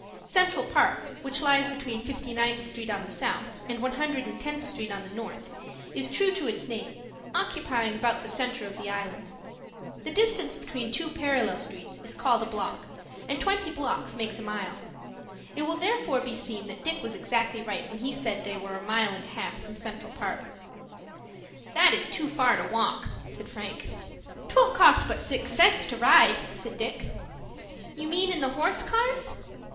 Central Park, which lies between Fifty ninth Street on the south, and One Hundred and Tenth Street on the north, is true to its name, occupying about the centre of the island. The distance between two parallel streets is called a block, and twenty blocks make a mile. It will therefore be seen that Dick was exactly right, when he said they were a mile and a half from Central Park. "That is too far to walk," said Frank. "'Twon't cost but six cents to ride," said Dick. "You mean in the horse cars?"